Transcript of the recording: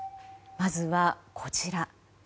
まずは、こちら。